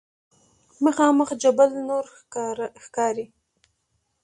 مخامخ جبل نور ښکاري.